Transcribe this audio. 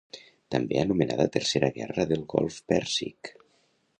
També anomenada Tercera guerra del golf Pèrsic.